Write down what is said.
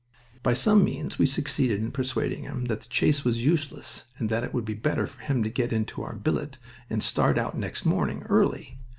By some means we succeeded in persuading him that the chase was useless and that it would be better for him to get into our billet and start out next morning, early.